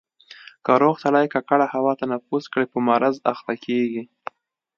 که روغ سړی په ککړه هوا تنفس کړي اخته کېږي.